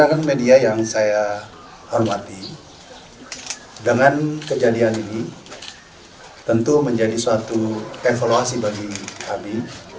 rekan media yang saya hormati dengan kejadian ini tentu menjadi suatu evaluasi bagi kami